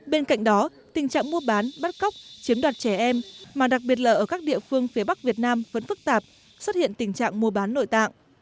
bên cạnh đó tình trạng mua bán bắt cóc chiếm đoạt trẻ em mà đặc biệt là ở các địa phương phía bắc việt nam vẫn phức tạp xuất hiện tình trạng mua bán nội tạng